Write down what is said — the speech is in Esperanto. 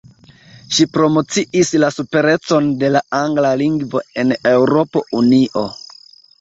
Ŝi promociis la superecon de la angla lingvo en Eŭropa Unio.